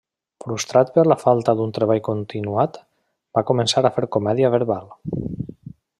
Frustrat per la falta d'un treball continuat, va començar a fer comèdia verbal.